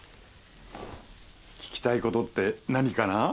聞きたいことって何かな？